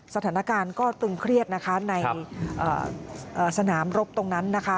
สถานการณ์ก็ตึงเครียดนะคะในสนามรบตรงนั้นนะคะ